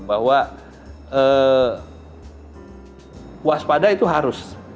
bahwa waspada itu harus